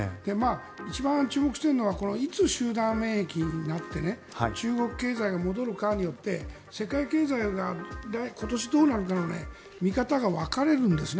一番注目しているのはいつ集団免疫になって中国経済が戻るかによって世界経済が今年どうなるのかの見方が分かれるんですね。